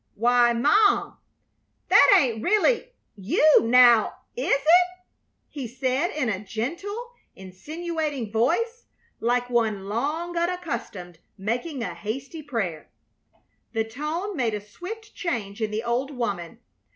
"Why, Mom that ain't really you, now, is it?" he said, in a gentle, insinuating voice like one long unaccustomed making a hasty prayer. The tone made a swift change in the old woman.